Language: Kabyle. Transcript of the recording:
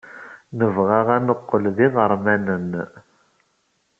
Nebɣa ad neqqel d iɣermanen.